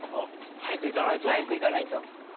早く行かないと。